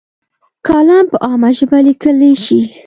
کالم په عامه ژبه لیکلی شي.